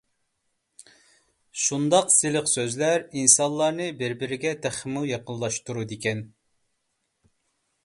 شۇنداق سىلىق سۆزلەر ئىنسانلارنى بىر-بىرىگە تېخىمۇ يېقىنلاشتۇرىدىكەن.